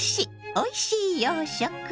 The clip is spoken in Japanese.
おいしい洋食」。